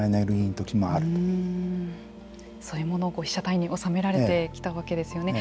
そういうものを被写体に収められてきたわけですよね。